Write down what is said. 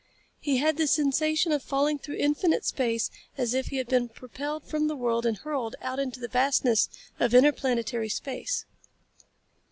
He had the sensation of falling through infinite space as if he had been propelled from the world and hurled out into the vastness of interplanetary space.